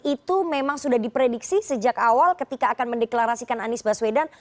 itu memang sudah diprediksi sejak awal ketika akan mendeklarasikan anies baswedan